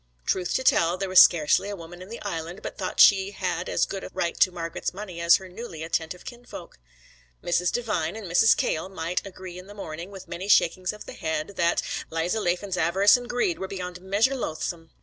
Truth to tell, there was scarcely a woman in the Island but thought she had as good a right to Margret's money as her newly attentive kinsfolk. Mrs. Devine and Mrs. Cahill might agree in the morning, with many shakings of the head, that 'Liza Laffan's avarice and greed were beyond measure loathsome.